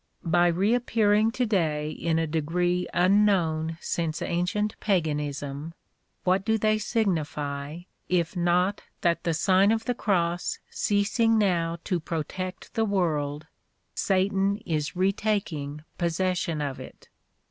By reappearing to day in a degree unknown since ancient paganism, what do they signify, if not that the Sign of the Cross ceasing now to protect the world, Satan is retaking pos session of it.